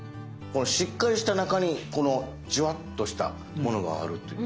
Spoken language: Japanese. しっかりした中にこのジュワッとしたものがあるという。